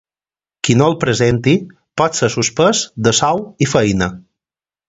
Qui no el presenti, pot ser suspès de sou i feina.